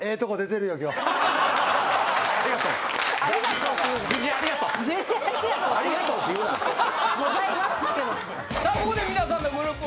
さあここで皆さんのグループ